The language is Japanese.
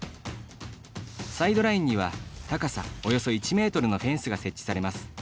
サイドラインには、高さおよそ１ｍのフェンスが設置されます。